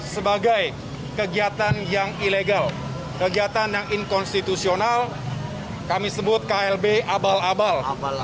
sebagai kegiatan yang ilegal kegiatan yang inkonstitusional kami sebut klb abal abal